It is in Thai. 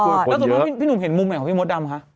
แล้วสมมุติพี่หนุ่มเห็นมุมไหนของพี่มดดำคะ